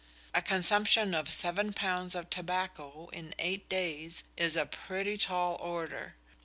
A consumption of seven pounds of tobacco in eight days is a pretty "tall order"!